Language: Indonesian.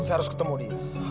saya harus ketemu dia